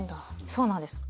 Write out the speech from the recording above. そうなんです。